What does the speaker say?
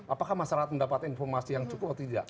apakah masyarakat mendapatkan informasi yang cukup atau tidak